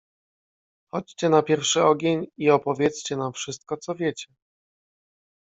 "Chodźcie na pierwszy ogień i opowiedzcie nam wszystko, co wiecie."